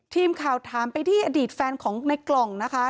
ทีมข่าวถามไปที่อดีตแฟนของในกล่องนะคะ